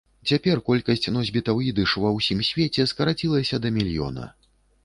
Цяпер колькасць носьбітаў ідыш ва ўсім свеце скарацілася да мільёна.